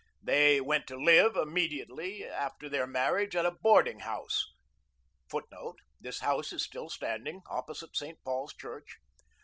They went to live, immediately after their marriage, at a boarding house [Footnote: This house is still standing, opposite St, Paul's church.